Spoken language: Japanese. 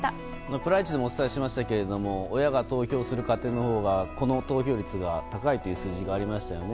プライチでもお伝えしましたが親が投票する家庭のほうが子の投票率は高いという数字がありましたよね。